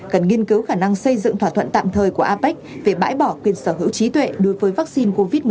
cần nghiên cứu khả năng xây dựng thỏa thuận tạm thời của apec về bãi bỏ quyền sở hữu trí tuệ đối với vaccine covid một mươi chín